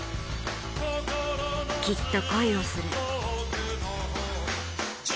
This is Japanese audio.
きっと恋をする。